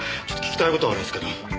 ちょっと聞きたい事あるんすけど。